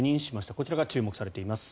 こちらが注目されています。